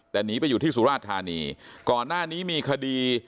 แต่หนีไปอยู่ที่สุราชธานีก่อนหน้านี้มีคดี